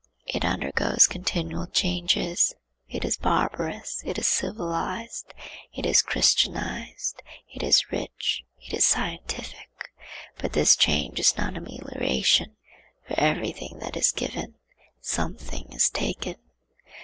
It undergoes continual changes; it is barbarous, it is civilized, it is christianized, it is rich, it is scientific; but this change is not amelioration. For every thing that is given something is taken.